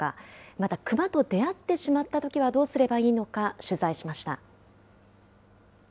またクマと出会ってしまったときはどうすればいいのか、取材しました。